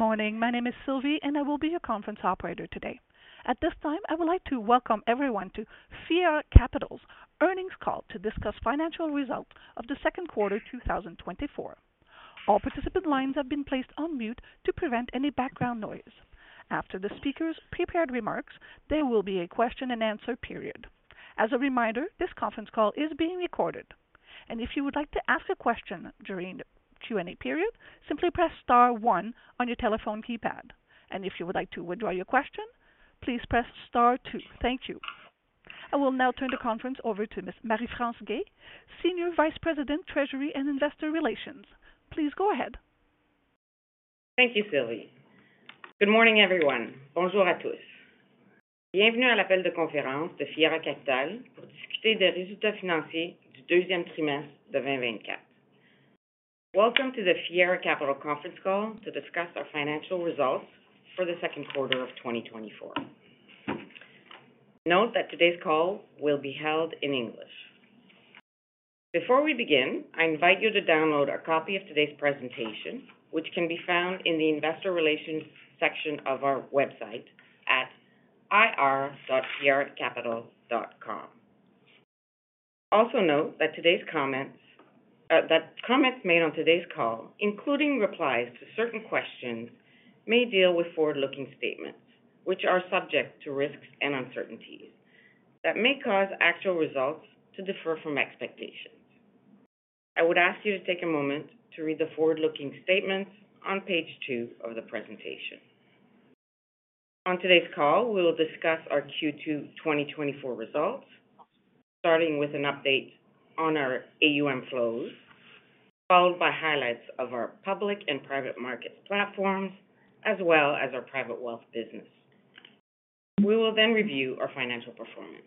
Good morning. My name is Sylvie, and I will be your conference operator today. At this time, I would like to welcome everyone to Fiera Capital's earnings call to discuss financial results of the second quarter 2024. All participant lines have been placed on mute to prevent any background noise. After the speakers prepared remarks, there will be a question-and-answer period. As a reminder, this conference call is being recorded. If you would like to ask a question during the Q&A period, simply press star one on your telephone keypad. If you would like to withdraw your question, please press star two. Thank you. I will now turn the conference over to Ms. Marie-France Guay, Senior Vice President, Treasury and Investor Relations. Please go ahead. Thank you, Sylvie. Good morning, everyone. Welcome to the Fiera Capital conference call to discuss our financial results for the second quarter of 2024. Note that today's call will be held in English. Before we begin, I invite you to download a copy of today's presentation, which can be found in the Investor Relations section of our website at ir.fieracapital.com. Also note that comments made on today's call, including replies to certain questions, may deal with forward-looking statements, which are subject to risks and uncertainties that may cause actual results to differ from expectations. I would ask you to take a moment to read the forward-looking statements on page two of the presentation. On today's call, we will discuss our Q2 2024 results, starting with an update on our AUM flows, followed by highlights of our public and private markets platforms, as well as our private wealth business. We will then review our financial performance.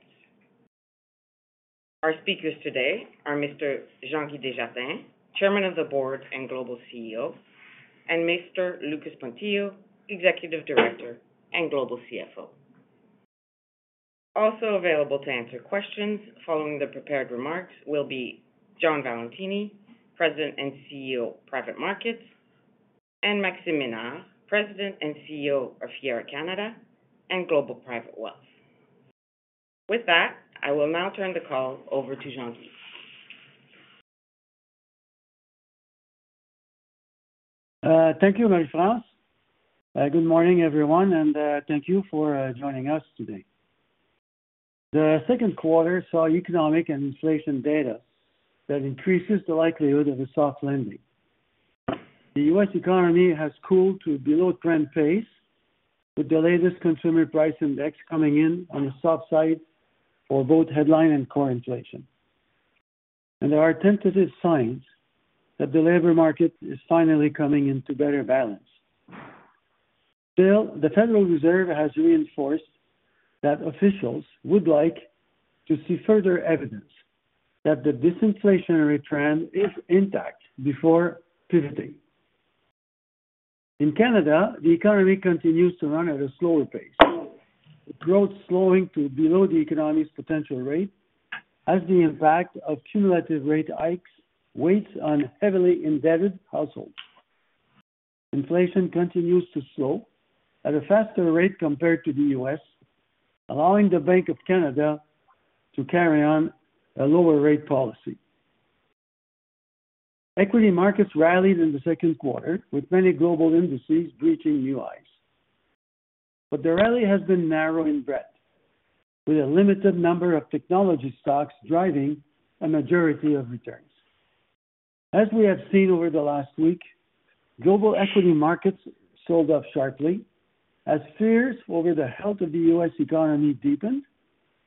Our speakers today are Mr. Jean-Guy Desjardins, Chairman of the Board and Global CEO, and Mr. Lucas Pontillo, Executive Director and Global CFO. Also available to answer questions following the prepared remarks will be John Valentini, President and CEO of Private Markets, and Maxime Ménard, President and CEO of Fiera Canada and Global Private Wealth. With that, I will now turn the call over to Jean-Guy. Thank you, Marie-France. Good morning, everyone, and thank you for joining us today. The second quarter saw economic and inflation data that increases the likelihood of a soft landing. The U.S. economy has cooled to a below-trend pace, with the latest consumer price index coming in on the soft side for both headline and core inflation. There are tentative signs that the labor market is finally coming into better balance. Still, the Federal Reserve has reinforced that officials would like to see further evidence that the disinflationary trend is intact before pivoting. In Canada, the economy continues to run at a slower pace, with growth slowing to below the economy's potential rate, as the impact of cumulative rate hikes weighs on heavily indebted households. Inflation continues to slow at a faster rate compared to the U.S., allowing the Bank of Canada to carry on a lower rate policy. Equity markets rallied in the second quarter, with many global indices breaching new highs. But the rally has been narrow in breadth, with a limited number of technology stocks driving a majority of returns. As we have seen over the last week, global equity markets sold off sharply, as fears over the health of the U.S. economy deepened,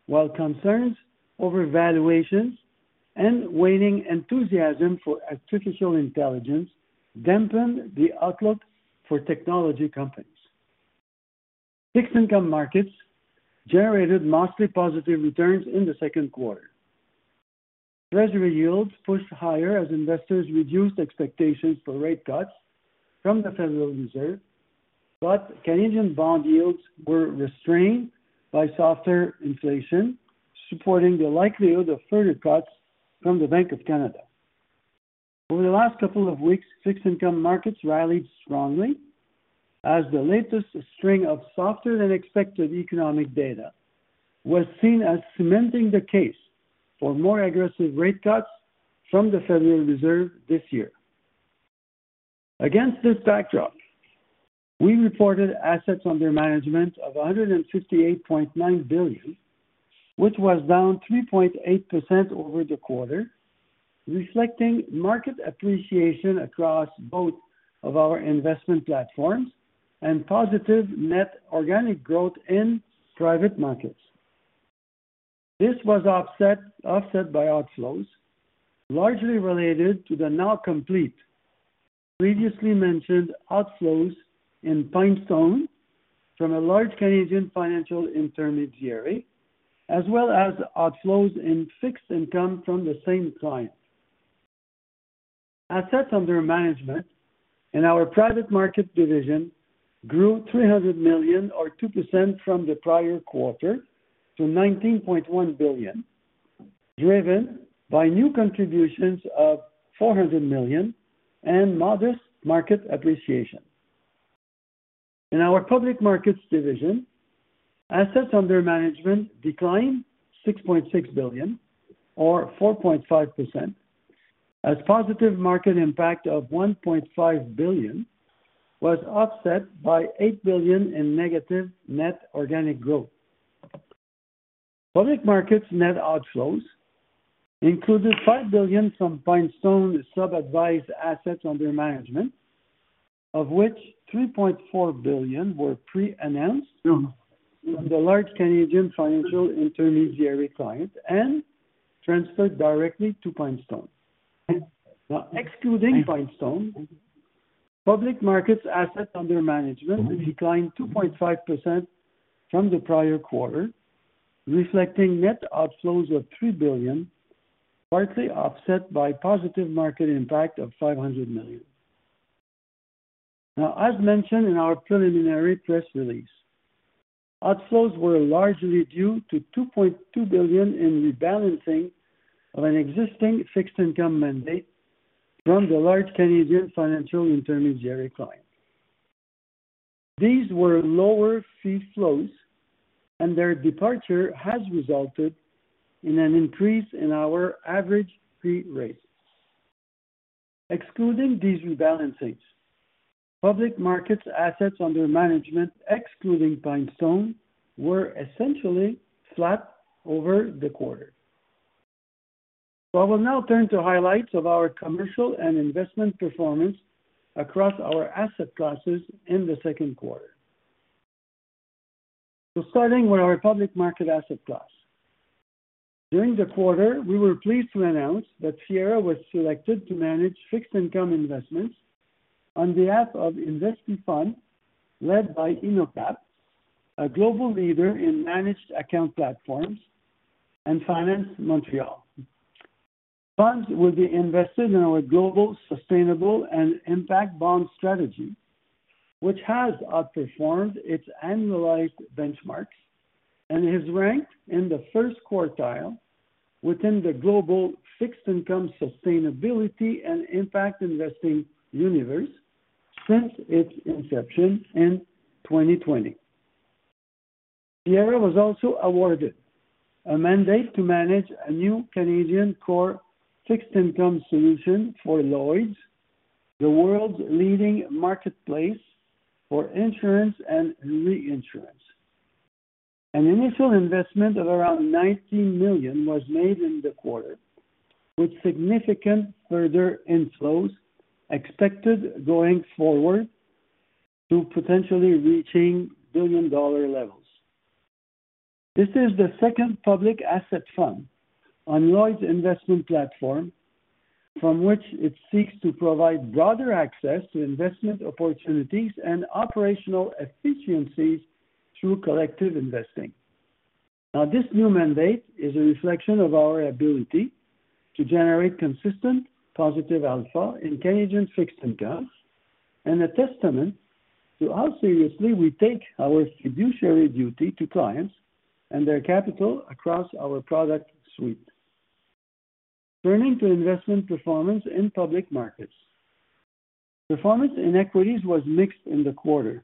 while concerns over valuations and waning enthusiasm for artificial intelligence dampened the outlook for technology companies. Fixed income markets generated mostly positive returns in the second quarter. Treasury yields pushed higher as investors reduced expectations for rate cuts from the Federal Reserve, but Canadian bond yields were restrained by softer inflation, supporting the likelihood of further cuts from the Bank of Canada. Over the last couple of weeks, fixed income markets rallied strongly, as the latest string of softer-than-expected economic data was seen as cementing the case for more aggressive rate cuts from the Federal Reserve this year. Against this backdrop, we reported assets under management of 158.9 billion, which was down 3.8% over the quarter, reflecting market appreciation across both of our investment platforms and positive net organic growth in private markets. This was offset by outflows, largely related to the now complete, previously mentioned outflows in PineStone from a large Canadian financial intermediary, as well as outflows in fixed income from the same client. Assets under management in our private market division grew 300 million, or 2% from the prior quarter, to 19.1 billion, driven by new contributions of 400 million and modest market appreciation. In our public markets division, assets under management declined 6.6 billion, or 4.5%, as positive market impact of 1.5 billion was offset by 8 billion in negative net organic growth. Public markets net outflows included 5 billion from PineStone sub-advised assets under management, of which 3.4 billion were pre-announced from the large Canadian financial intermediary client and transferred directly to PineStone. Excluding PineStone, public markets assets under management declined 2.5% from the prior quarter, reflecting net outflows of 3 billion, partly offset by positive market impact of 500 million. Now, as mentioned in our preliminary press release, outflows were largely due to 2.2 billion in rebalancing of an existing fixed income mandate from the large Canadian financial intermediary client. These were lower fee flows, and their departure has resulted in an increase in our average fee rates. Excluding these rebalancings, public markets assets under management, excluding PineStone, were essentially flat over the quarter. So I will now turn to highlights of our commercial and investment performance across our asset classes in the second quarter. So starting with our public market asset class. During the quarter, we were pleased to announce that Fiera was selected to manage fixed income investments on behalf of Investi Fund, led by Innocap, a global leader in managed account platforms, and Finance Montréal. Funds will be invested in our global sustainable and impact bond strategy, which has outperformed its annualized benchmarks and is ranked in the first quartile within the global fixed income sustainability and impact investing universe since its inception in 2020. Fiera was also awarded a mandate to manage a new Canadian core fixed income solution for Lloyd's, the world's leading marketplace for insurance and reinsurance. An initial investment of around 90 million was made in the quarter, with significant further inflows expected going forward to potentially reaching billion-dollar levels. This is the second public asset fund on Lloyd's investment platform, from which it seeks to provide broader access to investment opportunities and operational efficiencies through collective investing. Now, this new mandate is a reflection of our ability to generate consistent positive alpha in Canadian fixed income and a testament to how seriously we take our fiduciary duty to clients and their capital across our product suite. Turning to investment performance in public markets. Performance in equities was mixed in the quarter.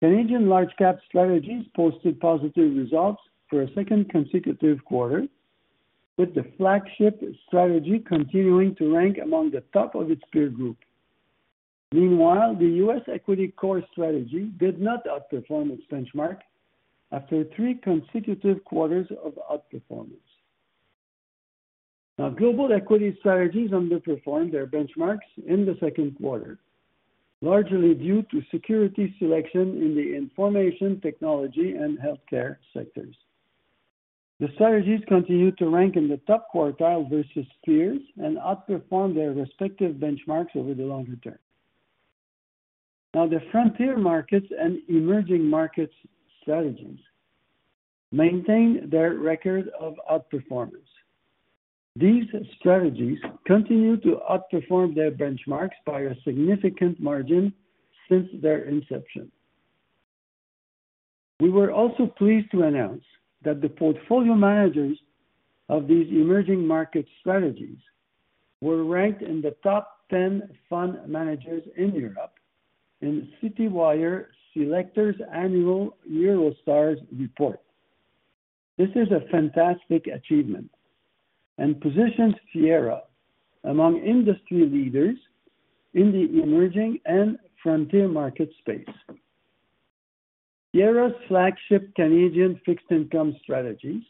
Canadian large-cap strategies posted positive results for a second consecutive quarter, with the flagship strategy continuing to rank among the top of its peer group. Meanwhile, the U.S. equity core strategy did not outperform its benchmark after three consecutive quarters of outperformance. Now, global equity strategies underperformed their benchmarks in the second quarter, largely due to security selection in the information, technology, and healthcare sectors. The strategies continued to rank in the top quartile versus peers and outperformed their respective benchmarks over the longer term. Now, the frontier markets and emerging markets strategies maintain their record of outperformance. These strategies continue to outperform their benchmarks by a significant margin since their inception. We were also pleased to announce that the portfolio managers of these emerging market strategies were ranked in the top 10 fund managers in Europe in Citywire Selector's annual Euro Stars report. This is a fantastic achievement and positions Fiera among industry leaders in the emerging and frontier market space. Fiera's flagship Canadian fixed income strategies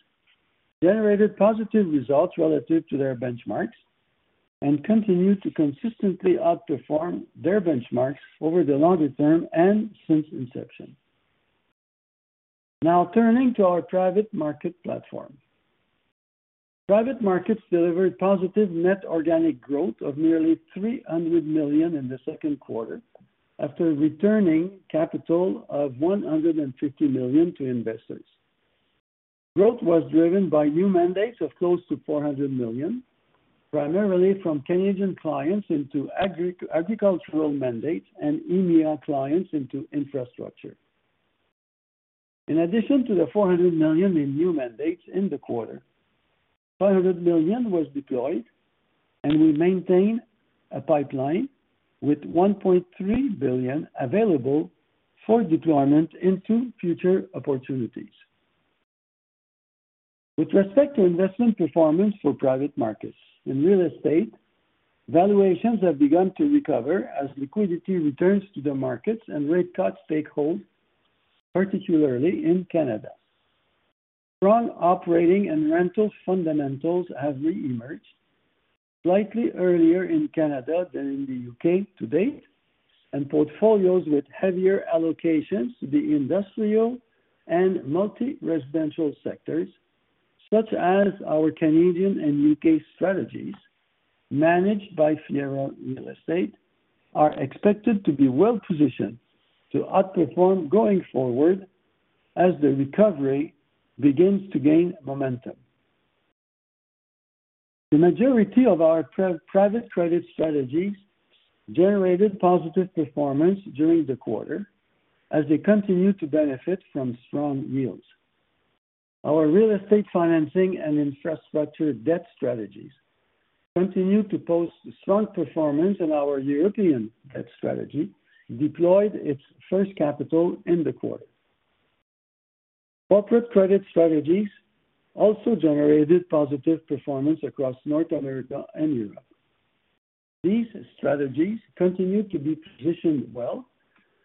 generated positive results relative to their benchmarks and continue to consistently outperform their benchmarks over the longer term and since inception. Now, turning to our private market platform. Private markets delivered positive net organic growth of nearly 300 million in the second quarter after returning capital of 150 million to investors. Growth was driven by new mandates of close to 400 million, primarily from Canadian clients into agricultural mandates and EMEA clients into infrastructure. In addition to the 400 million in new mandates in the quarter, 500 million was deployed, and we maintain a pipeline with 1.3 billion available for deployment into future opportunities. With respect to investment performance for private markets in real estate, valuations have begun to recover as liquidity returns to the markets and rate cuts take hold, particularly in Canada. Strong operating and rental fundamentals have re-emerged slightly earlier in Canada than in the U.K. to date, and portfolios with heavier allocations to the industrial and multi-residential sectors, such as our Canadian and U.K. Strategies managed by Fiera Real Estate are expected to be well-positioned to outperform going forward as the recovery begins to gain momentum. The majority of our private credit strategies generated positive performance during the quarter as they continue to benefit from strong yields. Our real estate financing and infrastructure debt strategies continue to post strong performance, and our European debt strategy deployed its first capital in the quarter. Corporate credit strategies also generated positive performance across North America and Europe. These strategies continue to be positioned well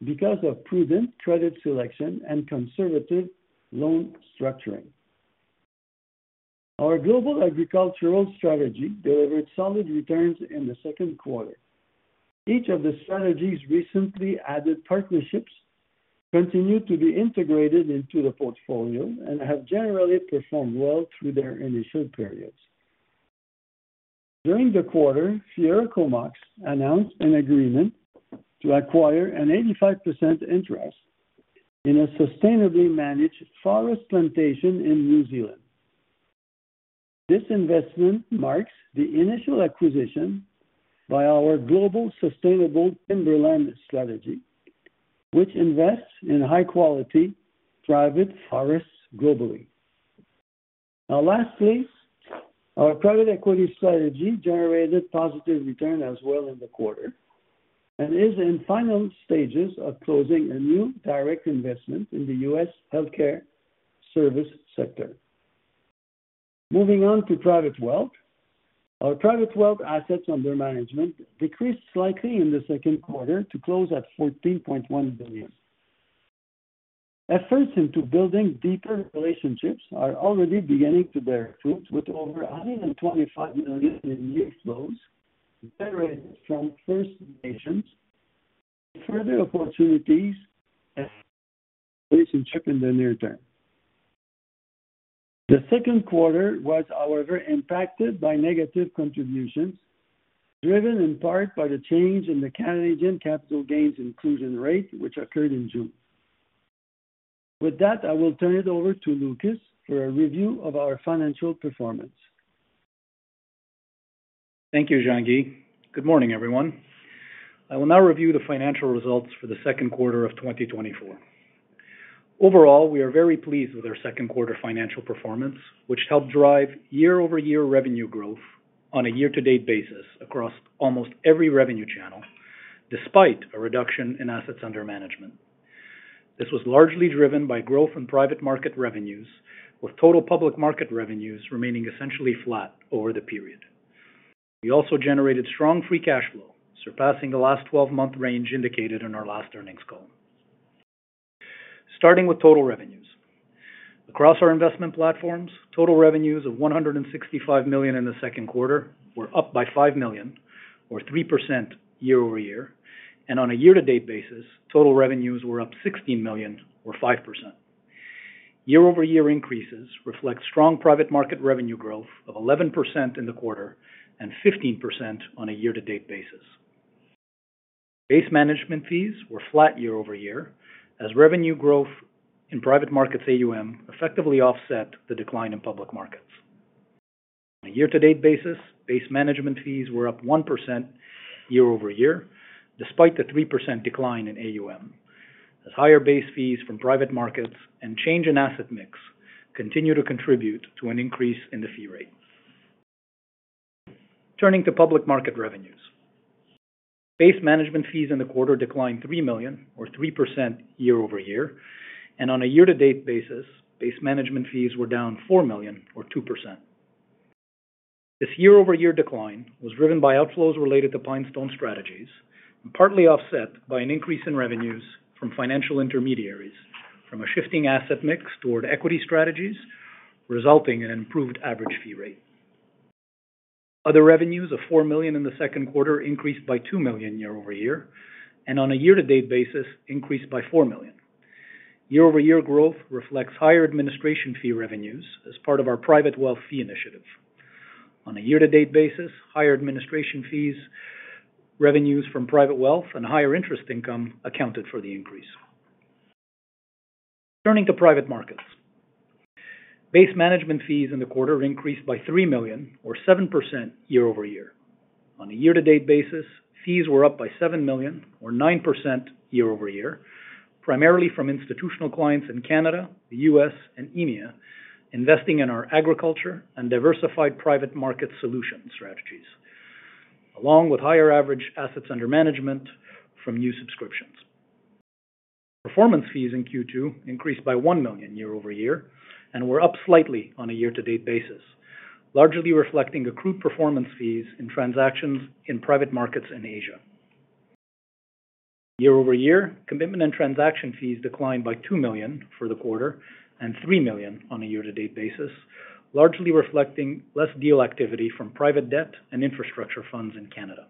because of prudent credit selection and conservative loan structuring. Our global agricultural strategy delivered solid returns in the second quarter. Each of the strategies recently added partnerships continued to be integrated into the portfolio and have generally performed well through their initial periods. During the quarter, Fiera Comox announced an agreement to acquire an 85% interest in a sustainably managed forest plantation in New Zealand. This investment marks the initial acquisition by our Global Sustainable Timberland strategy, which invests in high-quality private forests globally. Now, lastly, our private equity strategy generated positive returns as well in the quarter and is in final stages of closing a new direct investment in the U.S. healthcare service sector. Moving on to private wealth, our Private Wealth assets under management decreased slightly in the second quarter to close at 14.1 billion. Efforts into building deeper relationships are already beginning to bear fruit, with over 125 million in new flows generated from First Nations with further opportunities and relationships in the near term. The second quarter was, however, impacted by negative contributions driven in part by the change in the Canadian capital gains inclusion rate, which occurred in June. With that, I will turn it over to Lucas for a review of our financial performance. Thank you, Jean-Guy. Good morning, everyone. I will now review the financial results for the second quarter of 2024. Overall, we are very pleased with our second quarter financial performance, which helped drive year-over-year revenue growth on a year-to-date basis across almost every revenue channel, despite a reduction in assets under management. This was largely driven by growth in private market revenues, with total public market revenues remaining essentially flat over the period. We also generated strong free cash flow, surpassing the last 12-month range indicated in our last earnings call. Starting with total revenues. Across our investment platforms, total revenues of 165 million in the second quarter were up by 5 million, or 3% year-over-year, and on a year-to-date basis, total revenues were up 16 million, or 5%. Year-over-year increases reflect strong private market revenue growth of 11% in the quarter and 15% on a year-to-date basis. Base management fees were flat year-over-year, as revenue growth in private markets AUM effectively offset the decline in public markets. On a year-to-date basis, base management fees were up 1% year-over-year, despite the 3% decline in AUM, as higher base fees from private markets and change in asset mix continue to contribute to an increase in the fee rate. Turning to public market revenues. Base management fees in the quarter declined 3 million, or 3% year-over-year, and on a year-to-date basis, base management fees were down 4 million, or 2%. This year-over-year decline was driven by outflows related to PineStone strategies and partly offset by an increase in revenues from financial intermediaries from a shifting asset mix toward equity strategies, resulting in an improved average fee rate. Other revenues of 4 million in the second quarter increased by 2 million year-over-year, and on a year-to-date basis, increased by 4 million. Year-over-year growth reflects higher administration fee revenues as part of our private wealth fee initiative. On a year-to-date basis, higher administration fees revenues from private wealth and higher interest income accounted for the increase. Turning to private markets. Base management fees in the quarter increased by 3 million, or 7% year-over-year. On a year-to-date basis, fees were up by 7 million, or 9% year-over-year, primarily from institutional clients in Canada, the U.S., and EMEA investing in our agriculture and diversified private market solution strategies, along with higher average assets under management from new subscriptions. Performance fees in Q2 increased by 1 million year-over-year and were up slightly on a year-to-date basis, largely reflecting accrued performance fees in transactions in private markets in Asia. Year-over-year, commitment and transaction fees declined by 2 million for the quarter and 3 million on a year-to-date basis, largely reflecting less deal activity from private debt and infrastructure funds in Canada.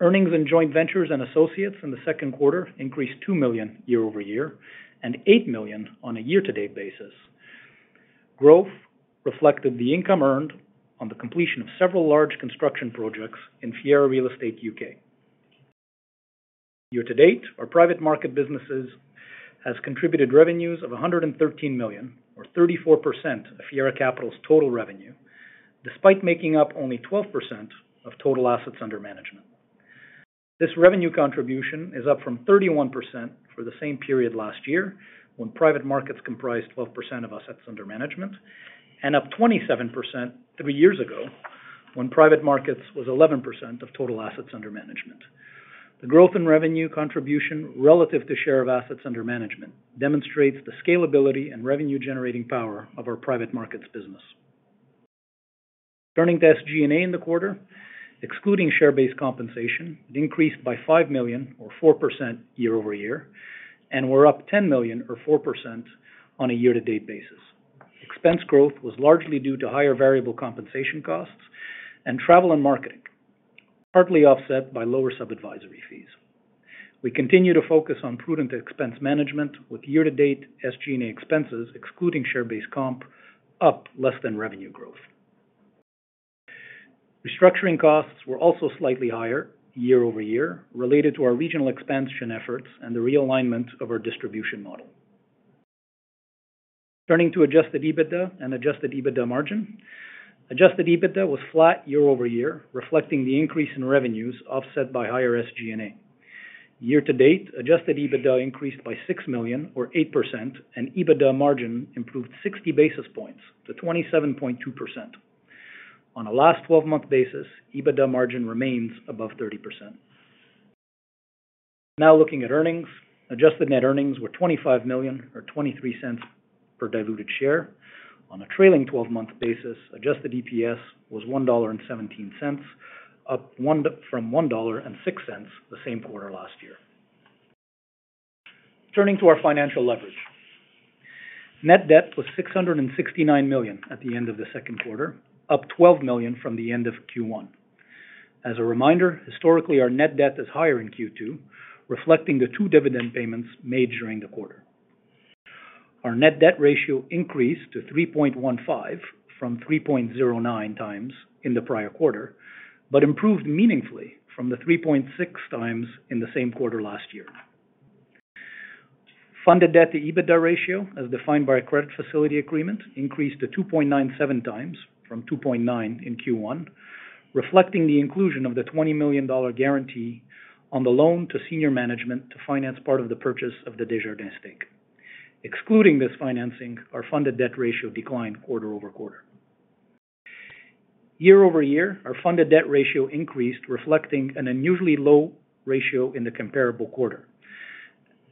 Earnings in joint ventures and associates in the second quarter increased 2 million year-over-year and 8 million on a year-to-date basis. Growth reflected the income earned on the completion of several large construction projects in Fiera Real Estate U.K. Year-to-date, our private market businesses have contributed revenues of 113 million, or 34% of Fiera Capital's total revenue, despite making up only 12% of total assets under management. This revenue contribution is up from 31% for the same period last year, when private markets comprised 12% of assets under management, and up 27% three years ago, when private markets was 11% of total assets under management. The growth in revenue contribution relative to share of assets under management demonstrates the scalability and revenue-generating power of our private markets business. Turning to SG&A in the quarter, excluding share-based compensation, it increased by 5 million, or 4% year-over-year, and we're up 10 million, or 4% on a year-to-date basis. Expense growth was largely due to higher variable compensation costs and travel and marketing, partly offset by lower sub-advisory fees. We continue to focus on prudent expense management, with year-to-date SG&A expenses, excluding share-based comp, up less than revenue growth. Restructuring costs were also slightly higher year-over-year, related to our regional expansion efforts and the realignment of our distribution model. Turning to adjusted EBITDA and adjusted EBITDA margin. Adjusted EBITDA was flat year-over-year, reflecting the increase in revenues offset by higher SG&A. Year-to-date, adjusted EBITDA increased by 6 million, or 8%, and EBITDA margin improved 60 basis points to 27.2%. On a last 12-month basis, EBITDA margin remains above 30%. Now looking at earnings, adjusted net earnings were 25 million, or 0.23 per diluted share. On a trailing 12-month basis, adjusted EPS was 1.17 dollar, up from 1.06 dollar the same quarter last year. Turning to our financial leverage. Net debt was 669 million at the end of the second quarter, up 12 million from the end of Q1. As a reminder, historically, our net debt is higher in Q2, reflecting the two dividend payments made during the quarter. Our net debt ratio increased to 3.15 from 3.09x in the prior quarter, but improved meaningfully from the 3.6x in the same quarter last year. Funded debt to EBITDA ratio, as defined by a credit facility agreement, increased to 2.97x from 2.9 in Q1, reflecting the inclusion of the 20 million dollar guarantee on the loan to senior management to finance part of the purchase of the Desjardins stake. Excluding this financing, our funded debt ratio declined quarter-over-quarter. Year-over-year, our funded debt ratio increased, reflecting an unusually low ratio in the comparable quarter,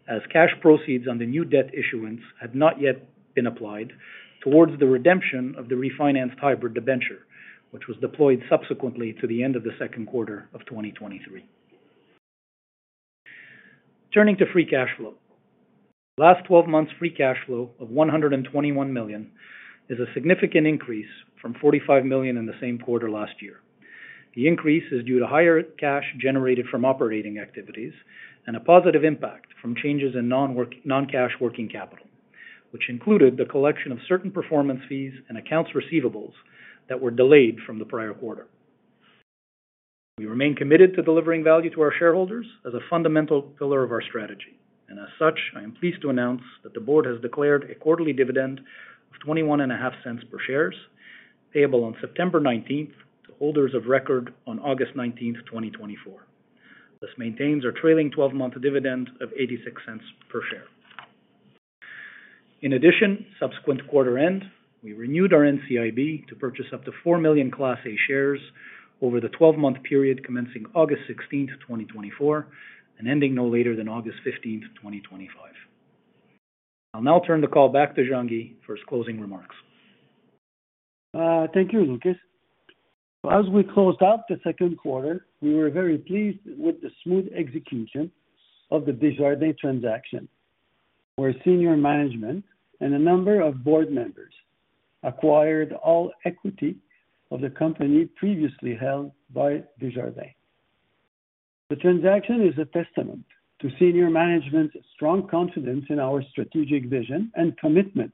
as cash proceeds on the new debt issuance had not yet been applied towards the redemption of the refinanced hybrid debenture, which was deployed subsequently to the end of the second quarter of 2023. Turning to free cash flow. Last 12 months' free cash flow of 121 million is a significant increase from 45 million in the same quarter last year. The increase is due to higher cash generated from operating activities and a positive impact from changes in non-cash working capital, which included the collection of certain performance fees and accounts receivable that were delayed from the prior quarter. We remain committed to delivering value to our shareholders as a fundamental pillar of our strategy, and as such, I am pleased to announce that the board has declared a quarterly dividend of 21.50 per share, payable on September 19th to holders of record on August 19th, 2024. This maintains our trailing 12-month dividend of 0.86 per share. In addition, subsequent quarter-end, we renewed our NCIB to purchase up to 4 million Class A shares over the 12-month period commencing August 16th, 2024, and ending no later than August 15th, 2025. I'll now turn the call back to Jean-Guy for his closing remarks. Thank you, Lucas. As we closed out the second quarter, we were very pleased with the smooth execution of the Desjardins transaction, where senior management and a number of board members acquired all equity of the company previously held by Desjardins. The transaction is a testament to senior management's strong confidence in our strategic vision and commitment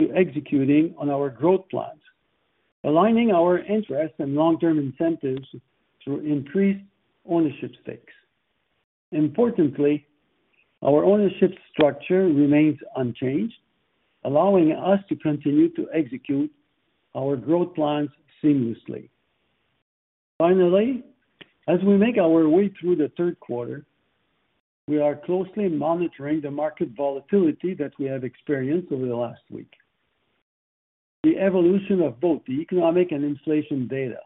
to executing on our growth plans, aligning our interests and long-term incentives through increased ownership stakes. Importantly, our ownership structure remains unchanged, allowing us to continue to execute our growth plans seamlessly. Finally, as we make our way through the third quarter, we are closely monitoring the market volatility that we have experienced over the last week. The evolution of both the economic and inflation data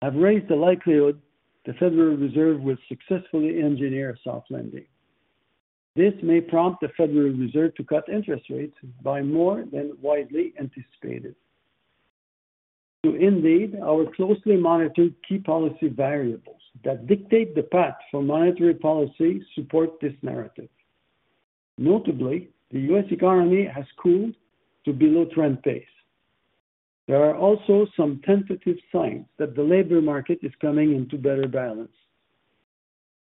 has raised the likelihood the Federal Reserve will successfully engineer a soft landing. This may prompt the Federal Reserve to cut interest rates by more than widely anticipated. Indeed, our closely monitored key policy variables that dictate the path for monetary policy support this narrative. Notably, the U.S. economy has cooled to below-trend pace. There are also some tentative signs that the labor market is coming into better balance.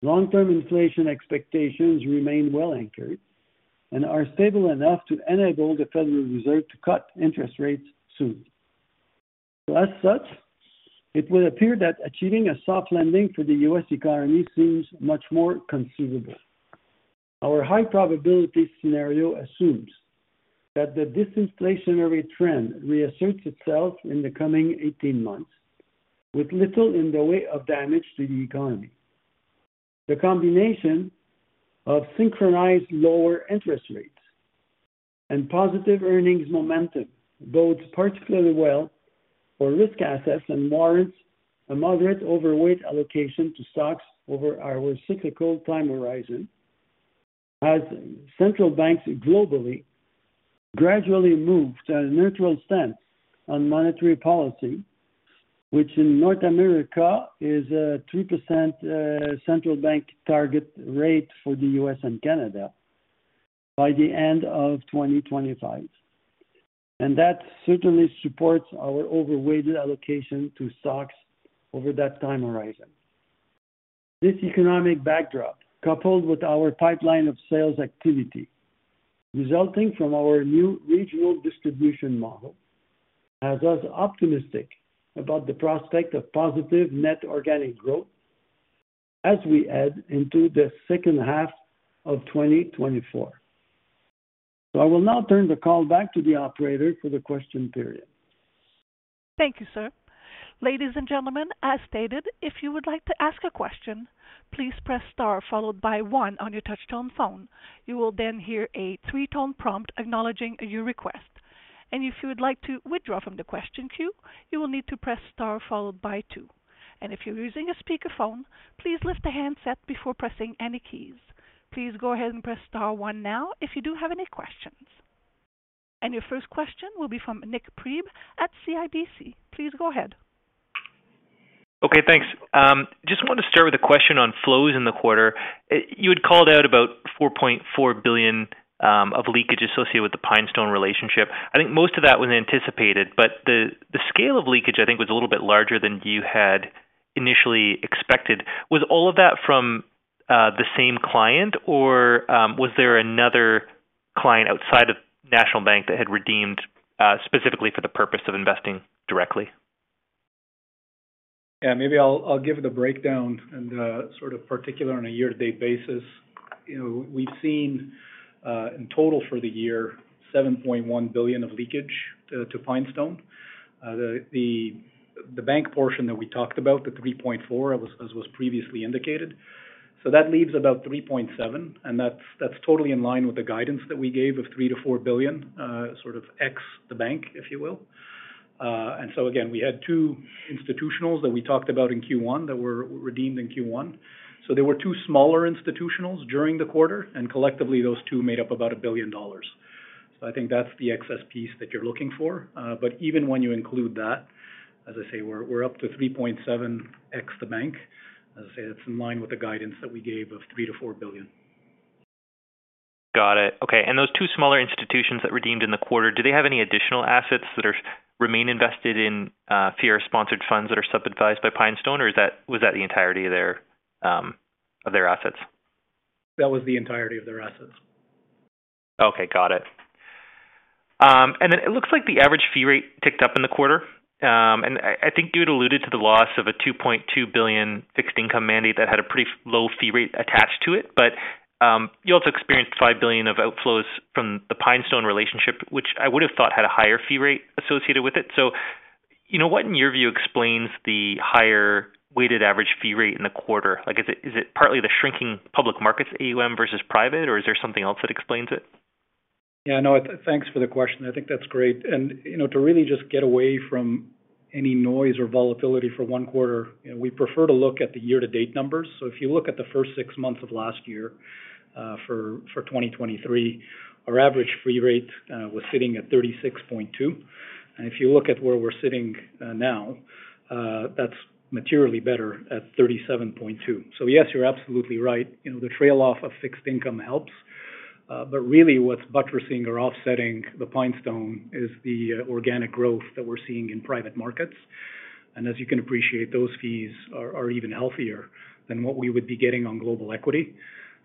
Long-term inflation expectations remain well anchored and are stable enough to enable the Federal Reserve to cut interest rates soon. As such, it would appear that achieving a soft landing for the U.S. economy seems much more conceivable. Our high-probability scenario assumes that the disinflationary trend reasserts itself in the coming 18 months, with little in the way of damage to the economy. The combination of synchronized lower interest rates and positive earnings momentum bodes particularly well for risk assets and warrants a moderate overweight allocation to stocks over our cyclical time horizon, as central banks globally gradually move to a neutral stance on monetary policy, which in North America is a 3% central bank target rate for the U.S. and Canada by the end of 2025. That certainly supports our overweighted allocation to stocks over that time horizon. This economic backdrop, coupled with our pipeline of sales activity resulting from our new regional distribution model, has us optimistic about the prospect of positive net organic growth as we head into the second half of 2024. I will now turn the call back to the operator for the question period. Thank you, sir. Ladies and gentlemen, as stated, if you would like to ask a question, please press star followed by one on your touch-tone phone. You will then hear a three-tone prompt acknowledging your request. If you would like to withdraw from the question queue, you will need to press star followed by two. If you're using a speakerphone, please lift the handset before pressing any keys. Please go ahead and press star one now if you do have any questions. Your first question will be from Nik Priebe at CIBC. Please go ahead. Okay, thanks. Just wanted to start with a question on flows in the quarter. You had called out about 4.4 billion of leakage associated with the PineStone relationship. I think most of that was anticipated, but the scale of leakage, I think, was a little bit larger than you had initially expected. Was all of that from the same client, or was there another client outside of National Bank that had redeemed specifically for the purpose of investing directly? Yeah, maybe I'll give the breakdown and sort of particular on a year-to-date basis. We've seen in total for the year 7.1 billion of leakage to PineStone. The bank portion that we talked about, the 3.4, as was previously indicated. So that leaves about 3.7 billion, and that's totally in line with the guidance that we gave of 3 billion- 4 billion, sort of ex the bank, if you will. And so again, we had two institutionals that we talked about in Q1 that were redeemed in Q1. So there were two smaller institutionals during the quarter, and collectively, those two made up about 1 billion dollars. So I think that's the excess piece that you're looking for. But even when you include that, as I say, we're up to 3.7 billion ex the bank. As I say, that's in line with the guidance that we gave of 3 billion-4 billion. Got it. Okay. And those two smaller institutions that redeemed in the quarter, did they have any additional assets that remain invested in Fiera-sponsored funds that are sub-advised by PineStone, or was that the entirety of their assets? That was the entirety of their assets. Okay, got it. And then it looks like the average fee rate ticked up in the quarter. And I think you had alluded to the loss of a 2.2 billion fixed income mandate that had a pretty low fee rate attached to it, but you also experienced 5 billion of outflows from the PineStone relationship, which I would have thought had a higher fee rate associated with it. So what, in your view, explains the higher weighted average fee rate in the quarter? Is it partly the shrinking public markets, AUM versus private, or is there something else that explains it? Yeah, no, thanks for the question. I think that's great. And to really just get away from any noise or volatility for one quarter, we prefer to look at the year-to-date numbers. So if you look at the first six months of last year for 2023, our average fee rate was sitting at 36.2. And if you look at where we're sitting now, that's materially better at 37.2. So yes, you're absolutely right. The trail off of fixed income helps, but really what's buttressing or offsetting the PineStone is the organic growth that we're seeing in private markets. And as you can appreciate, those fees are even healthier than what we would be getting on global equity.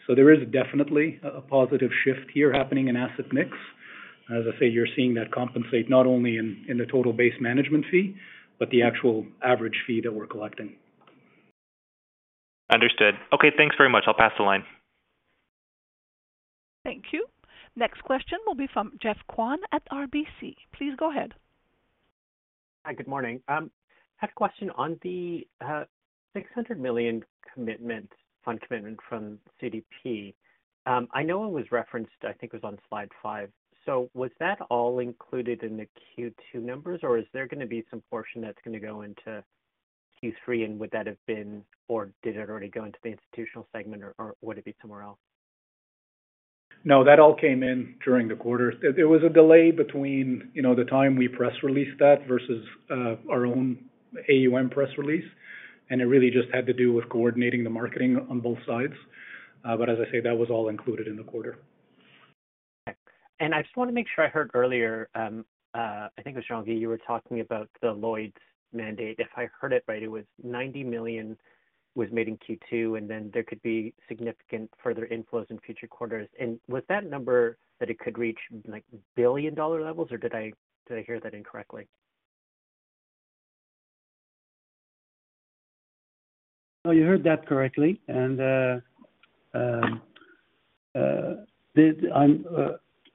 So there is definitely a positive shift here happening in asset mix. As I say, you're seeing that compensate not only in the total base management fee, but the actual average fee that we're collecting. Understood. Okay, thanks very much. I'll pass the line. Thank you. Next question will be from Geoff Kwan at RBC. Please go ahead. Hi, good morning. I have a question on the 600 million commitment, fund commitment from CDP. I know it was referenced, I think it was on slide five. So was that all included in the Q2 numbers, or is there going to be some portion that's going to go into Q3, and would that have been, or did it already go into the institutional segment, or would it be somewhere else? No, that all came in during the quarter. There was a delay between the time we press released that versus our own AUM press release, and it really just had to do with coordinating the marketing on both sides. But as I say, that was all included in the quarter. I just want to make sure I heard earlier, I think it was Jean-Guy, you were talking about the Lloyd's mandate. If I heard it right, it was 90 million was made in Q2, and then there could be significant further inflows in future quarters. And was that number that it could reach billion-dollar levels, or did I hear that incorrectly? No, you heard that correctly. And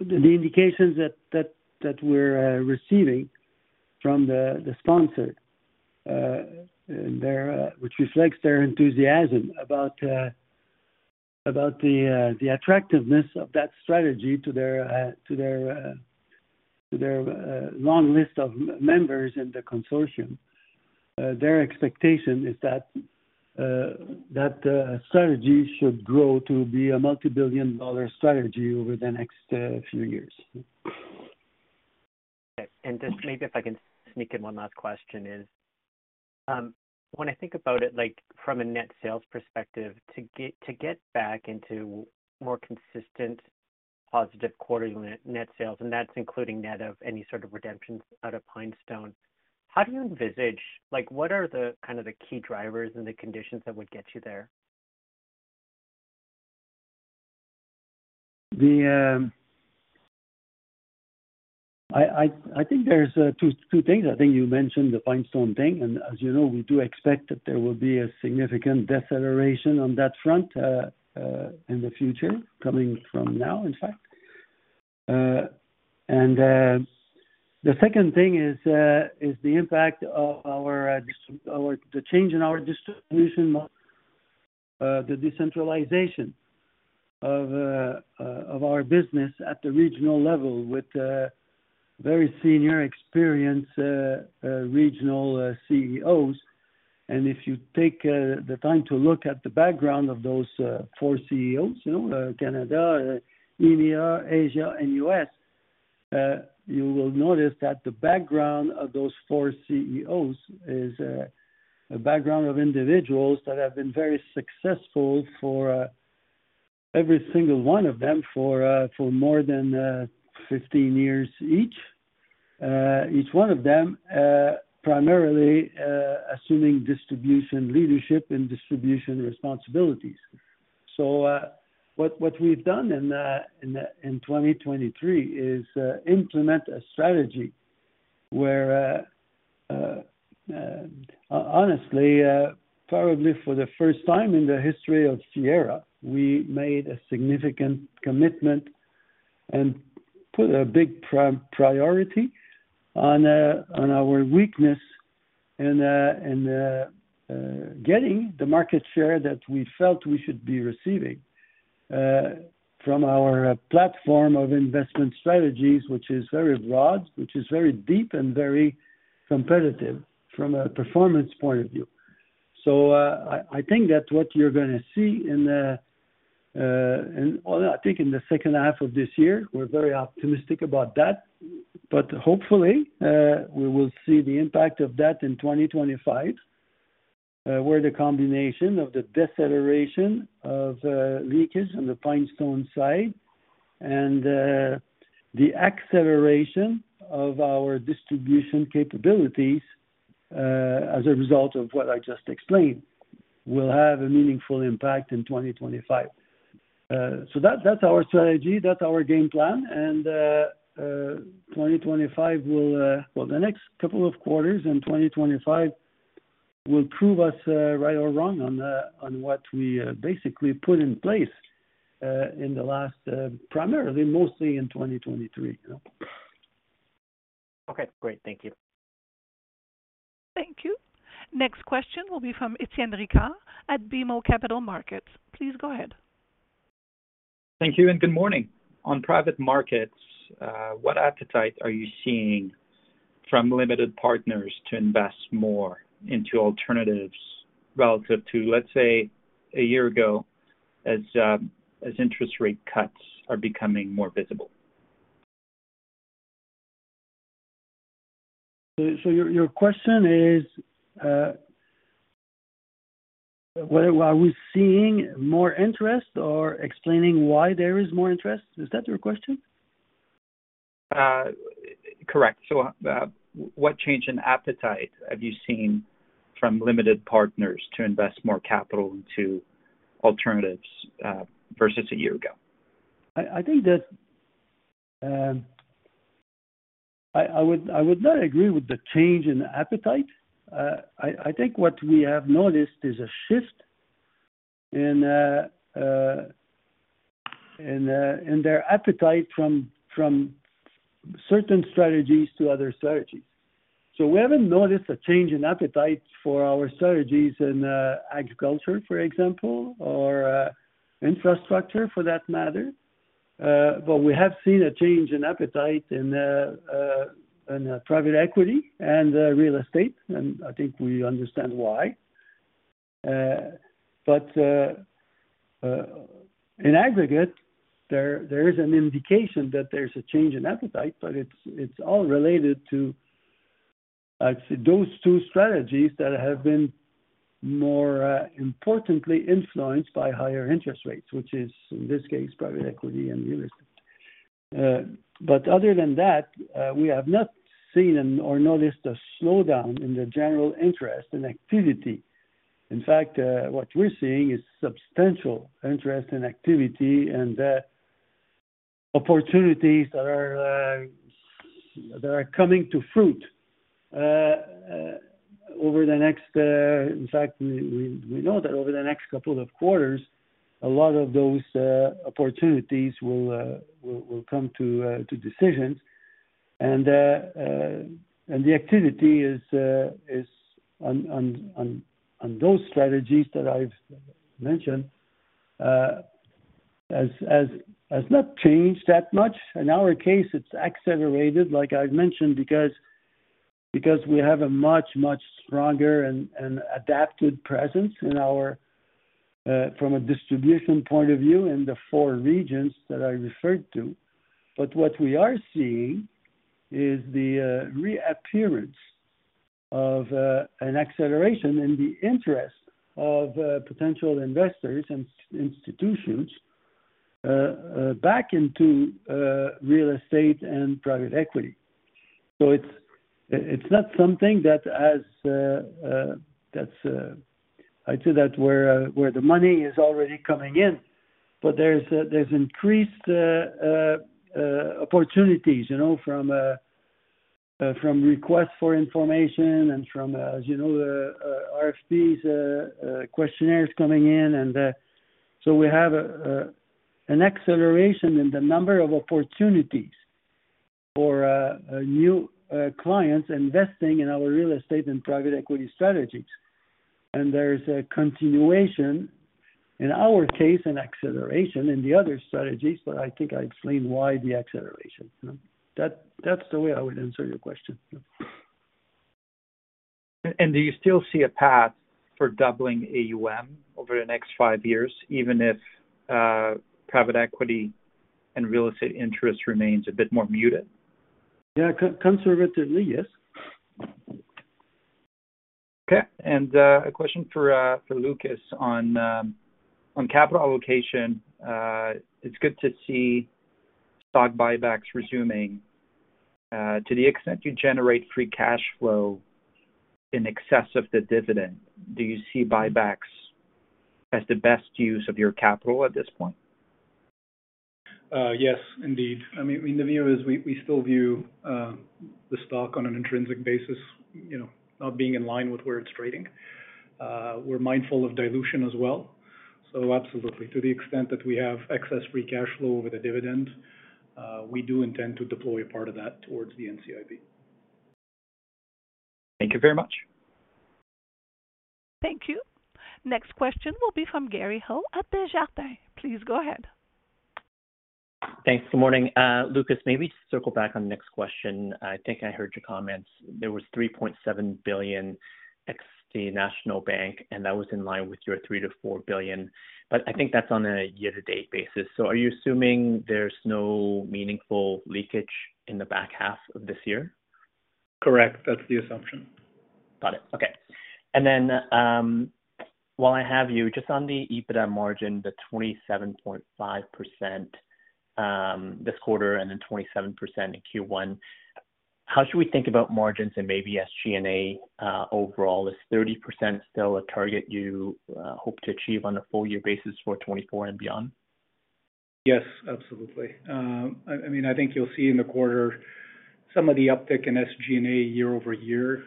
the indications that we're receiving from the sponsor, which reflects their enthusiasm about the attractiveness of that strategy to their long list of members in the consortium, their expectation is that that strategy should grow to be a multi-billion dollar strategy over the next few years. Just maybe if I can sneak in one last question is, when I think about it from a net sales perspective, to get back into more consistent positive quarterly net sales, and that's including net of any sort of redemptions out of PineStone, how do you envisage, what are the kind of key drivers and the conditions that would get you there? I think there's two things. I think you mentioned the PineStone thing, and as you know, we do expect that there will be a significant deceleration on that front in the future, coming from now, in fact. And the second thing is the impact of the change in our distribution, the decentralization of our business at the regional level with very senior experience regional CEOs. If you take the time to look at the background of those four CEOs, Canada, India, Asia, and U.S., you will notice that the background of those four CEOs is a background of individuals that have been very successful for every single one of them for more than 15 years each, each one of them primarily assuming distribution leadership and distribution responsibilities. So what we've done in 2023 is implement a strategy where, honestly, probably for the first time in the history of Fiera, we made a significant commitment and put a big priority on our weakness in getting the market share that we felt we should be receiving from our platform of investment strategies, which is very broad, which is very deep, and very competitive from a performance point of view. I think that what you're going to see in, well, I think in the second half of this year, we're very optimistic about that, but hopefully, we will see the impact of that in 2025, where the combination of the deceleration of leakage on the PineStone side and the acceleration of our distribution capabilities as a result of what I just explained will have a meaningful impact in 2025. So that's our strategy. That's our game plan. And 2025 will, well, the next couple of quarters in 2025 will prove us right or wrong on what we basically put in place in the last, primarily mostly in 2023. Okay, great. Thank you. Thank you. Next question will be from Étienne Ricard at BMO Capital Markets. Please go ahead. Thank you and good morning. On private markets, what appetite are you seeing from limited partners to invest more into alternatives relative to, let's say, a year ago as interest rate cuts are becoming more visible? So your question is, are we seeing more interest or explaining why there is more interest? Is that your question? Correct. So what change in appetite have you seen from limited partners to invest more capital into alternatives versus a year ago? I think that I would not agree with the change in appetite. I think what we have noticed is a shift in their appetite from certain strategies to other strategies. So we haven't noticed a change in appetite for our strategies in agriculture, for example, or infrastructure for that matter. But we have seen a change in appetite in private equity and real estate, and I think we understand why. In aggregate, there is an indication that there's a change in appetite, but it's all related to, I'd say, those two strategies that have been more importantly influenced by higher interest rates, which is, in this case, private equity and real estate. But other than that, we have not seen or noticed a slowdown in the general interest and activity. In fact, what we're seeing is substantial interest and activity and opportunities that are coming to fruition over the next, in fact, we know that over the next couple of quarters, a lot of those opportunities will come to decisions. And the activity is on those strategies that I've mentioned has not changed that much. In our case, it's accelerated, like I've mentioned, because we have a much, much stronger and adapted presence from a distribution point of view in the four regions that I referred to. What we are seeing is the reappearance of an acceleration in the interest of potential investors and institutions back into real estate and private equity. So it's not something that I'd say that where the money is already coming in, but there's increased opportunities from requests for information and from, as you know, RFPs, questionnaires coming in. And so we have an acceleration in the number of opportunities for new clients investing in our real estate and private equity strategies. And there's a continuation, in our case, an acceleration in the other strategies, but I think I explained why the acceleration. That's the way I would answer your question. Do you still see a path for doubling AUM over the next five years, even if private equity and real estate interest remains a bit more muted? Yeah, conservatively, yes. Okay. And a question for Lucas on capital allocation. It's good to see stock buybacks resuming. To the extent you generate free cash flow in excess of the dividend, do you see buybacks as the best use of your capital at this point? Yes, indeed. I mean, the view is we still view the stock on an intrinsic basis, not being in line with where it's trading. We're mindful of dilution as well. So absolutely, to the extent that we have excess free cash flow over the dividend, we do intend to deploy a part of that towards the NCIB. Thank you very much. Thank you. Next question will be from Gary Ho at Desjardins. Please go ahead. Thanks. Good morning. Lucas, maybe circle back on the next question. I think I heard your comments. There was 3.7 billion ex the National Bank, and that was in line with your 3 billion-4 billion. But I think that's on a year-to-date basis. So are you assuming there's no meaningful leakage in the back half of this year? Correct. That's the assumption. Got it. Okay. And then while I have you, just on the EBITDA margin, the 27.5% this quarter and then 27% in Q1, how should we think about margins and maybe SG&A overall? Is 30% still a target you hope to achieve on a full-year basis for 2024 and beyond? Yes, absolutely. I mean, I think you'll see in the quarter some of the uptick in SG&A year-over-year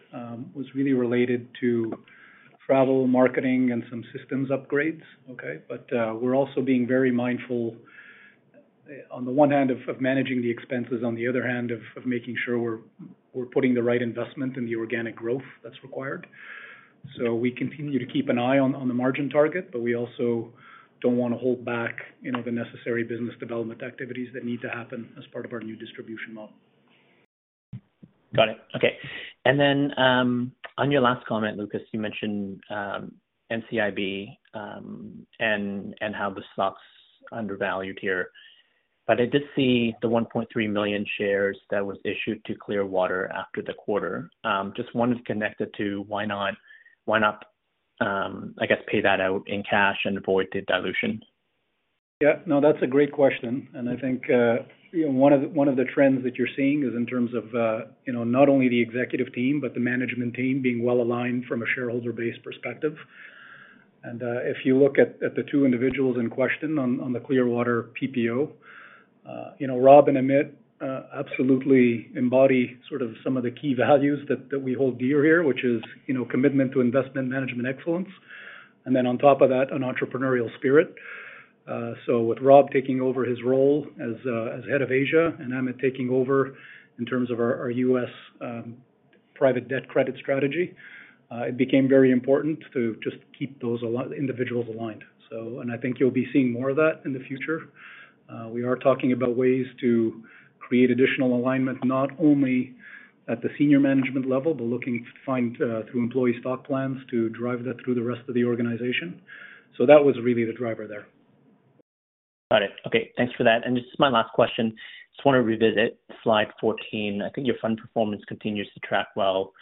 was really related to travel, marketing, and some systems upgrades. Okay. But we're also being very mindful on the one hand of managing the expenses, on the other hand of making sure we're putting the right investment in the organic growth that's required. So we continue to keep an eye on the margin target, but we also don't want to hold back the necessary business development activities that need to happen as part of our new distribution model. Got it. Okay. And then on your last comment, Lucas, you mentioned NCIB and how the stock's undervalued here. But I did see the 1.3 million shares that was issued to Clearwater after the quarter. Just wanted to connect it to why not, I guess, pay that out in cash and avoid the dilution? Yeah. No, that's a great question. And I think one of the trends that you're seeing is in terms of not only the executive team, but the management team being well aligned from a shareholder-based perspective. And if you look at the two individuals in question on the Clearwater PPO, Rob and Amit absolutely embody sort of some of the key values that we hold dear here, which is commitment to investment management excellence. Then on top of that, an entrepreneurial spirit. So with Rob taking over his role as head of Asia and Amit taking over in terms of our U.S. private debt credit strategy, it became very important to just keep those individuals aligned. And I think you'll be seeing more of that in the future. We are talking about ways to create additional alignment, not only at the senior management level, but looking to find through employee stock plans to drive that through the rest of the organization. So that was really the driver there. Got it. Okay. Thanks for that. And just my last question. Just want to revisit slide 14. I think your fund performance continues to track well,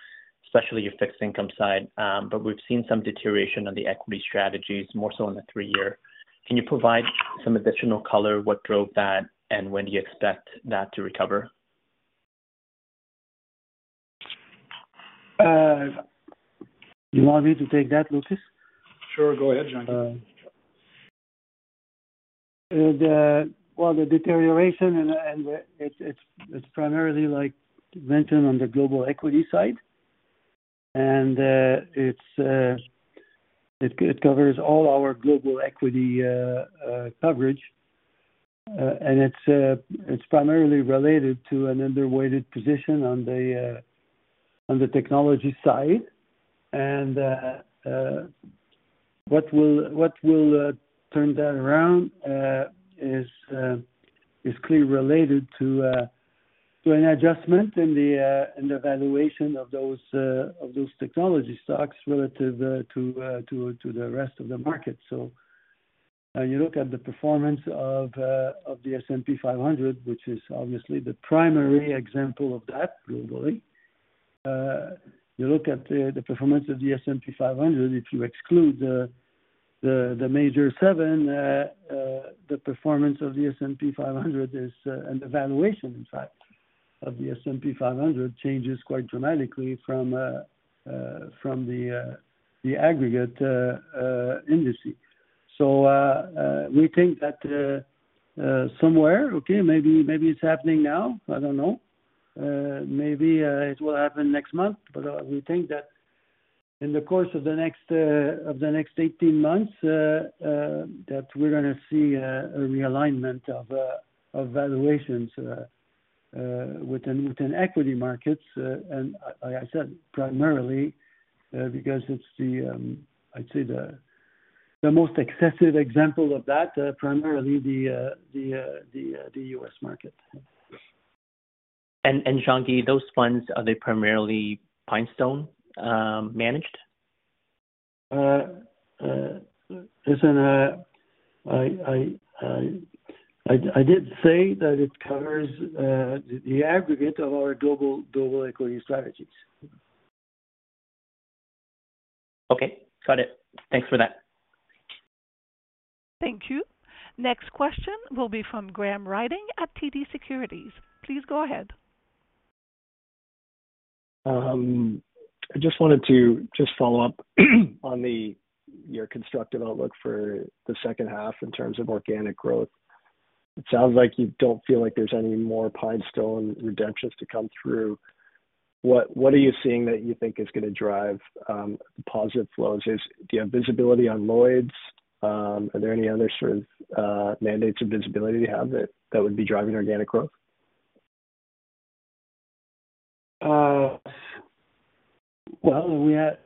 especially your fixed income side, but we've seen some deterioration on the equity strategies, more so on the three-year. Can you provide some additional color? What drove that, and when do you expect that to recover? You want me to take that, Lucas? Sure. Go ahead, John. Well, the deterioration, and it's primarily, like mentioned, on the global equity side. And it covers all our global equity coverage. And it's primarily related to an underweight position on the technology side. And what will turn that around is clearly related to an adjustment in the valuation of those technology stocks relative to the rest of the market. So you look at the performance of the S&P 500, which is obviously the primary example of that globally. You look at the performance of the S&P 500. If you exclude the major seven, the performance of the S&P 500 is, and the valuation, in fact, of the S&P 500 changes quite dramatically from the aggregate industry. So we think that somewhere, okay, maybe it's happening now. I don't know. Maybe it will happen next month. But we think that in the course of the next 18 months, that we're going to see a realignment of valuations within equity markets. And like I said, primarily because it's the, I'd say, the most excessive example of that, primarily the U.S. market. And, John, those funds, are they primarily PineStone managed? I did say that it covers the aggregate of our global equity strategies. Okay. Got it. Thanks for that. Thank you. Next question will be from Graham Ryding at TD Securities. Please go ahead. I just wanted to just follow up on your constructive outlook for the second half in terms of organic growth. It sounds like you don't feel like there's any more PineStone redemptions to come through. What are you seeing that you think is going to drive positive flows? Do you have visibility on Lloyd's? Are there any other sort of mandates of visibility you have that would be driving organic growth? Well, we had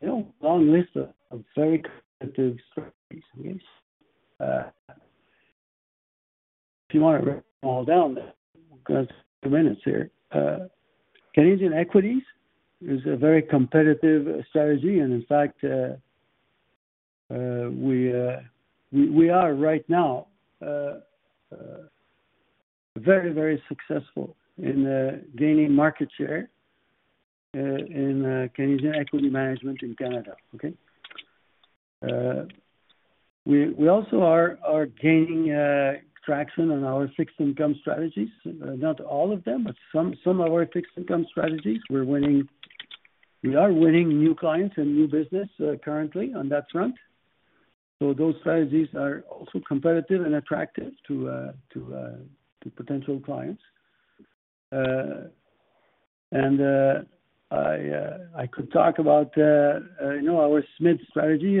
long list of very competitive strategies. If you want to really drill down, we've got a few minutes here. Canadian equities is a very competitive strategy. And in fact, we are right now very, very successful in gaining market share in Canadian equity management in Canada. Okay. We also are gaining traction on our fixed income strategies. Not all of them, but some of our fixed income strategies, we are winning new clients and new business currently on that front. So those strategies are also competitive and attractive to potential clients. And I could talk about our SMID strategy,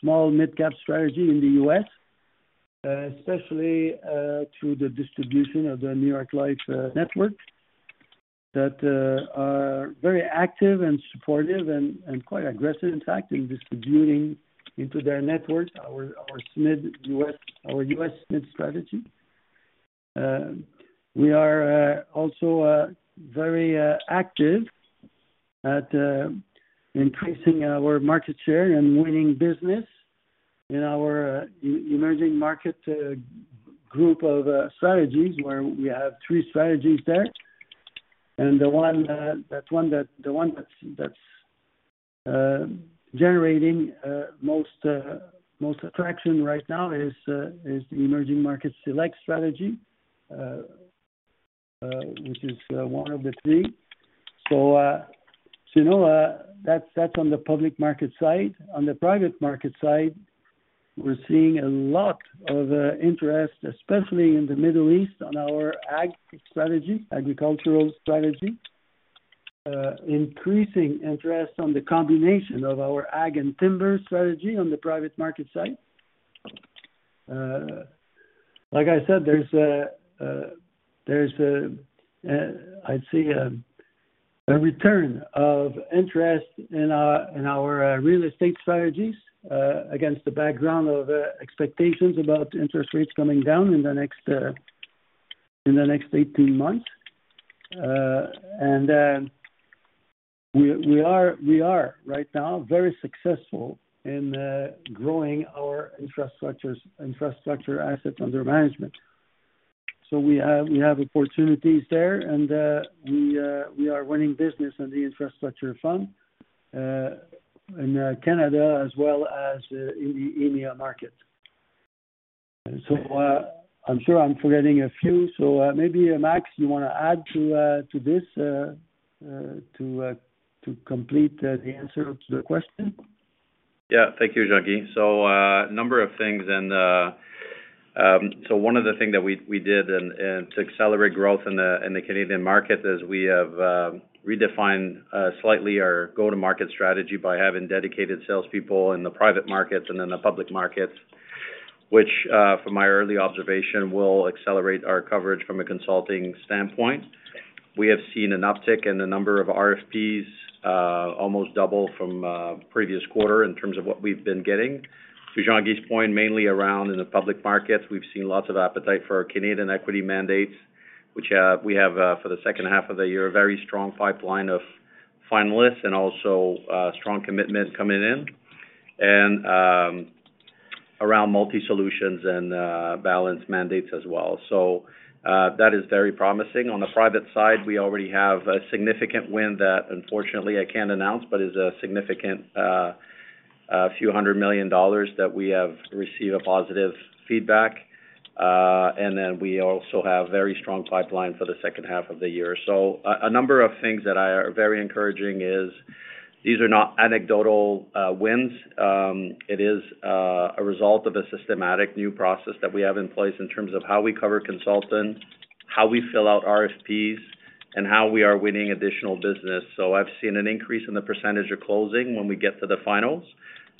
small mid-cap strategy in the U.S., especially to the distribution of the New York Life network that are very active and supportive and quite aggressive, in fact, in distributing into their networks our U.S. SMID strategy. We are also very active at increasing our market share and winning business in our emerging market group of strategies where we have three strategies there. And the one that's generating most attraction right now is the Emerging Markets Select strategy, which is one of the three. So that's on the public market side. On the private market side, we're seeing a lot of interest, especially in the Middle East, on our ag strategy, agricultural strategy, increasing interest on the combination of our ag and timber strategy on the private market side. Like I said, there's, I'd say, a return of interest in our real estate strategies against the background of expectations about interest rates coming down in the next 18 months. And we are right now very successful in growing our infrastructure assets under management. So we have opportunities there, and we are winning business on the infrastructure fund in Canada as well as in the EMEA market. So I'm sure I'm forgetting a few. So maybe, Max, you want to add to this to complete the answer to the question? Yeah. Thank you, Jean-Guy. So a number of things. One of the things that we did to accelerate growth in the Canadian market is we have redefined slightly our go-to-market strategy by having dedicated salespeople in the private markets and then the public markets, which, from my early observation, will accelerate our coverage from a consulting standpoint. We have seen an uptick in the number of RFPs, almost double from previous quarter in terms of what we've been getting. To Jean-Guy's point, mainly around in the public markets, we've seen lots of appetite for our Canadian equity mandates, which we have for the second half of the year, a very strong pipeline of finalists and also strong commitment coming in around multi-solutions and balanced mandates as well. That is very promising. On the private side, we already have a significant win that, unfortunately, I can't announce, but is a significant few hundred million CAD that we have received positive feedback. Then we also have a very strong pipeline for the second half of the year. A number of things that are very encouraging is these are not anecdotal wins. It is a result of a systematic new process that we have in place in terms of how we cover consultants, how we fill out RFPs, and how we are winning additional business. I've seen an increase in the percentage of closing when we get to the finals.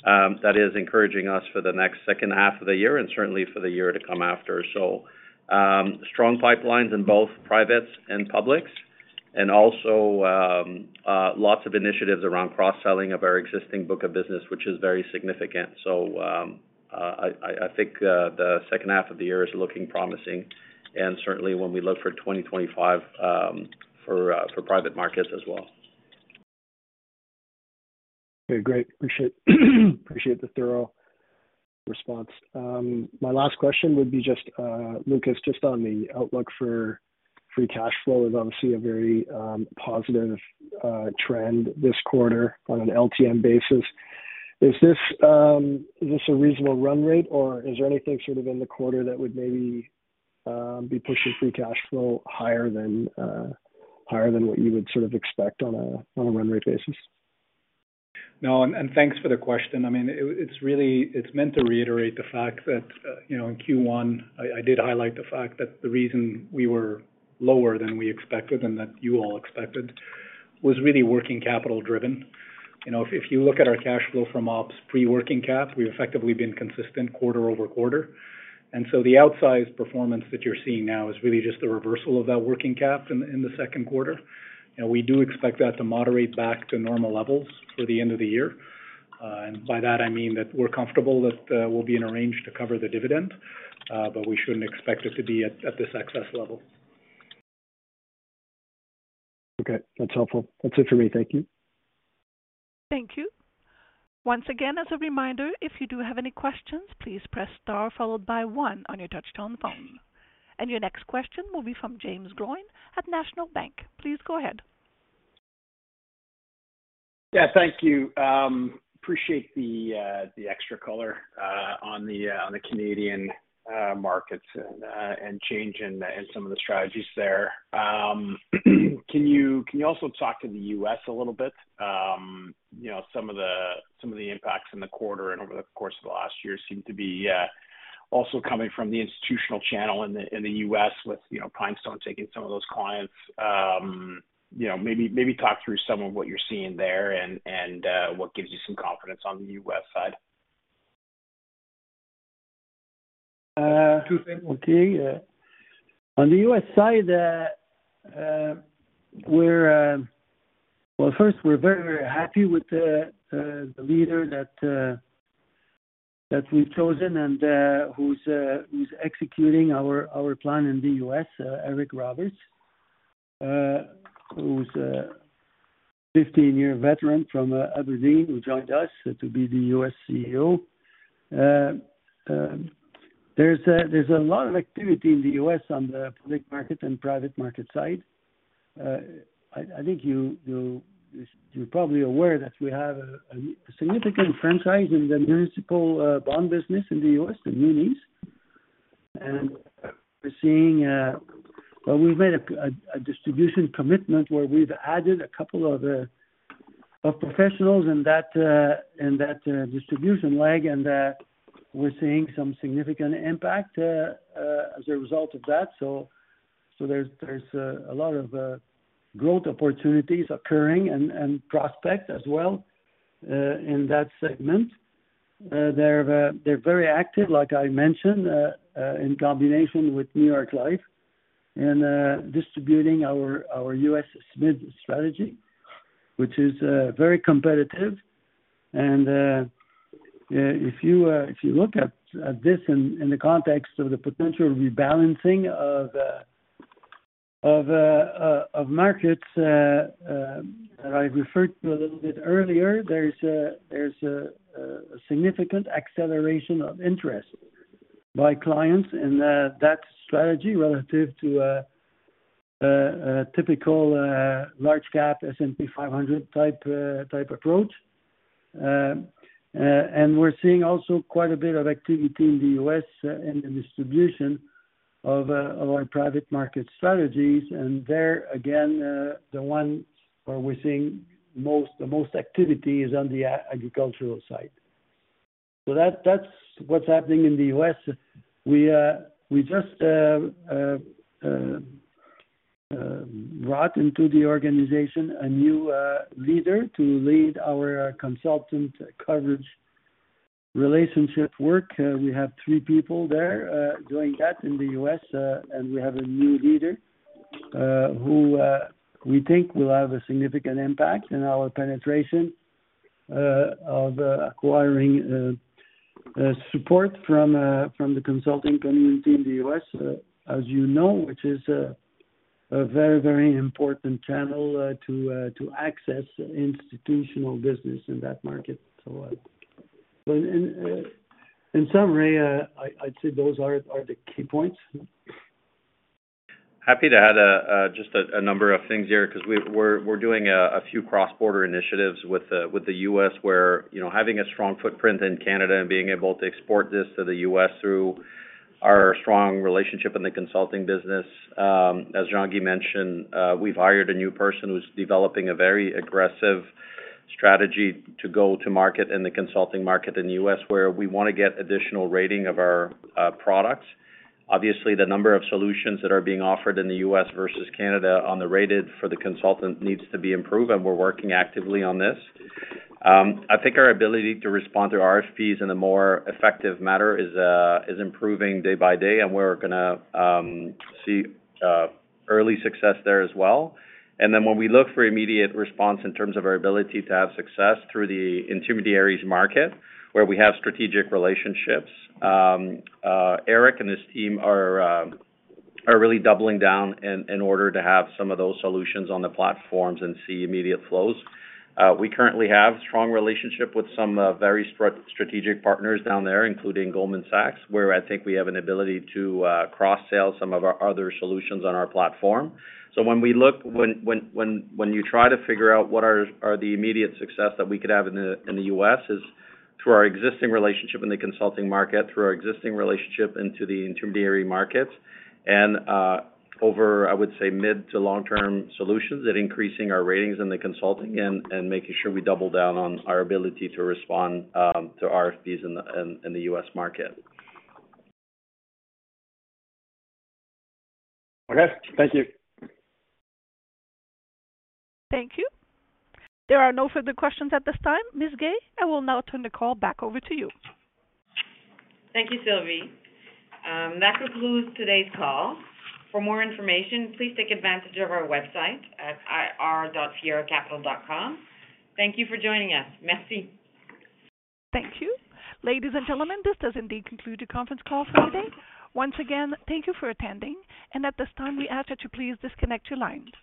That is encouraging us for the next second half of the year and certainly for the year to come after. So strong pipelines in both privates and publics, and also lots of initiatives around cross-selling of our existing book of business, which is very significant. So I think the second half of the year is looking promising. And certainly, when we look for 2025 for private markets as well. Okay. Great. Appreciate the thorough response. My last question would be just, Lucas, just on the outlook for free cash flow, which is obviously a very positive trend this quarter on an LTM basis. Is this a reasonable run rate, or is there anything sort of in the quarter that would maybe be pushing free cash flow higher than what you would sort of expect on a run rate basis? No. And thanks for the question. I mean, it's meant to reiterate the fact that in Q1, I did highlight the fact that the reason we were lower than we expected and that you all expected was really working capital driven. If you look at our cash flow from ops pre-working cap, we've effectively been consistent quarter-over-quarter. And so the outsized performance that you're seeing now is really just the reversal of that working cap in the second quarter. We do expect that to moderate back to normal levels for the end of the year. And by that, I mean that we're comfortable that we'll be in a range to cover the dividend, but we shouldn't expect it to be at this excess level. Okay. That's helpful. That's it for me. Thank you. Thank you. Once again, as a reminder, if you do have any questions, please press star followed by one on your touch-tone phone. And your next question will be from Jaeme Gloyn at National Bank Financial. Please go ahead. Yeah. Thank you. Appreciate the extra color on the Canadian markets and change in some of the strategies there. Can you also talk to the U.S. a little bit? Some of the impacts in the quarter and over the course of the last year seem to be also coming from the institutional channel in the U.S., with PineStone taking some of those clients. Maybe talk through some of what you're seeing there and what gives you some confidence on the U.S. side. Okay. On the U.S. Side, well, first, we're very, very happy with the leader that we've chosen and who's executing our plan in the U.S., Eric Roberts, who's a 15-year veteran from Aberdeen, who joined us to be the U.S. CEO. There's a lot of activity in the U.S. on the public market and private market side. I think you're probably aware that we have a significant franchise in the municipal bond business in the U.S., the munis. And we're seeing a—well, we've made a distribution commitment where we've added a couple of professionals in that distribution leg, and we're seeing some significant impact as a result of that. So there's a lot of growth opportunities occurring and prospects as well in that segment. They're very active, like I mentioned, in combination with New York Life in distributing our U.S. SMID strategy, which is very competitive. If you look at this in the context of the potential rebalancing of markets that I referred to a little bit earlier, there's a significant acceleration of interest by clients in that strategy relative to a typical large-cap S&P 500 type approach. We're seeing also quite a bit of activity in the U.S. in the distribution of our private market strategies. There, again, the one where we're seeing the most activity is on the agricultural side. That's what's happening in the U.S. We just brought into the organization a new leader to lead our consultant coverage relationship work. We have three people there doing that in the U.S. We have a new leader who we think will have a significant impact in our penetration of acquiring support from the consulting community in the U.S., as you know, which is a very, very important channel to access institutional business in that market. In summary, I'd say those are the key points. Happy to add just a number of things here because we're doing a few cross-border initiatives with the U.S. where having a strong footprint in Canada and being able to export this to the U.S. through our strong relationship in the consulting business. As Jean-Guy mentioned, we've hired a new person who's developing a very aggressive strategy to go to market in the consulting market in the U.S. where we want to get additional rating of our products. Obviously, the number of solutions that are being offered in the U.S. Versus Canada on the rate for the consultant needs to be improved, and we're working actively on this. I think our ability to respond to RFPs in a more effective manner is improving day by day, and we're going to see early success there as well. And then when we look for immediate response in terms of our ability to have success through the intermediaries market where we have strategic relationships, Eric and his team are really doubling down in order to have some of those solutions on the platforms and see immediate flows. We currently have a strong relationship with some very strategic partners down there, including Goldman Sachs, where I think we have an ability to cross-sell some of our other solutions on our platform. When we look, when you try to figure out what are the immediate success that we could have in the U.S., it's through our existing relationship in the consulting market, through our existing relationship into the intermediary markets, and over, I would say, mid- to long-term solutions and increasing our ratings in the consulting and making sure we double down on our ability to respond to RFPs in the U.S. market. Okay. Thank you. Thank you. There are no further questions at this time, Ms. Guay. I will now turn the call back over to you. Thank you, Sylvie. That concludes today's call. For more information, please take advantage of our website at ir.fieracapital.com. Thank you for joining us. Thank you. Ladies and gentlemen, this does indeed conclude the conference call for today. Once again, thank you for attending. At this time, we ask that you please disconnect your lines.